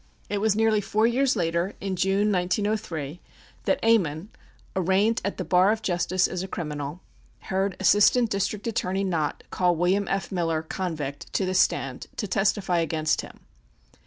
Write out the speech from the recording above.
It was nearly four years later, in June, 1903, that Ammon, arraigned at the bar of justice as a criminal, heard Assistant District Attorney Nott call William F. Miller, convict, to the stand to testify against him.